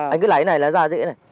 anh cứ lấy này là ra dễ này